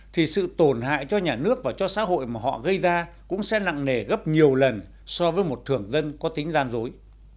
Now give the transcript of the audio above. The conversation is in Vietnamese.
thì sự tổn hại cho nhà nước và cho xã hội mà họ gây ra cũng sẽ nặng nề gấp nhiều lần so với một thường dân có tính gian dối